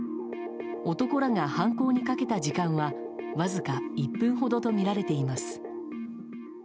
男らが犯行にかけた時間はわずか１分ほどとみられています。